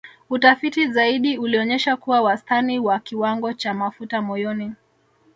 Utafiti zaidi ulionyesha kuwa wastani wa kiwango cha mafuta moyoni